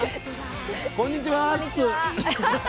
こんにちはっ